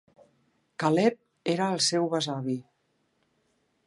Caleb era el seu besavi.